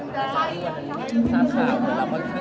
ตะกรีจกลัวสายไงตะกรีจบอด